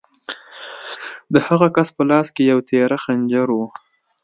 د هغه کس په لاس کې یو تېره خنجر و